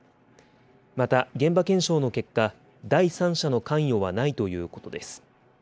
また、現場検証の結果、第三者の関与はないということです。